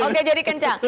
oke jadi kencang